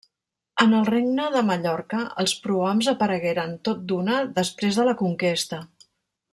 En el regne de Mallorca els prohoms aparegueren tot d'una després de la conquesta.